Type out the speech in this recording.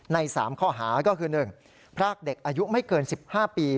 ใน๓ข้อหาก็คือ๑พรากเด็กอายุไม่เกิน๑๕ปี